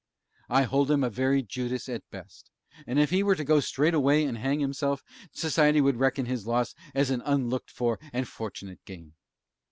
I hold him a very Judas at best; and if he were to go straightway and hang himself, society would reckon his loss as an unlooked for and fortunate gain.